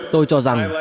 tôi cho rằng